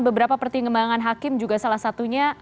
beberapa pertimbangan hakim juga salah satunya